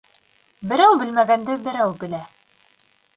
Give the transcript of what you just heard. Берәү белмәгәнде берәү белә.